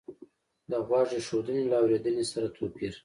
د غوږ ایښودنې له اورېدنې سره توپیر